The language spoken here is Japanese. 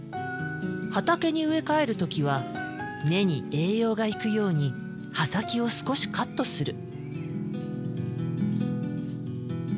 畑に植え替える時は根に栄養が行くように葉先を少しカットする。